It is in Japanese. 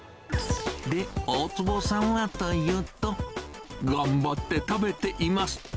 で、大坪さんはというと、頑張って食べています。